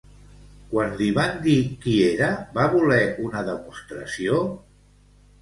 Quan li van dir qui era, va voler una demostració?